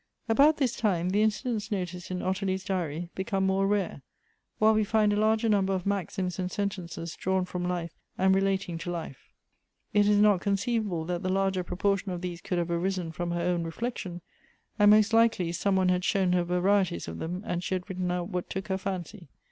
About this time, the incidents noticed in Ottilie's diary become more rare, while we find a larger number of maxims and sentences drawn from life and relating to life. It is not conceivable that the larger proportion of these could have arisen from her own reflection, and most likely some one had shown her varieties of them, and she had written out what took her fancy.